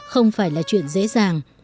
không phải là chuyện dễ dàng